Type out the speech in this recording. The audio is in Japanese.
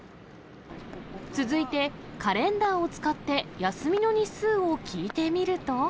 続いて、カレンダーを使って休みの日数を聞いてみると。